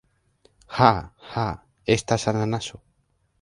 Ha! Ha! Estas ananaso!